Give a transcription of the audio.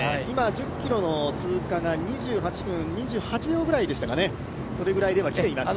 今、１０ｋｍの通過が２８分２８秒ぐらいで来ています。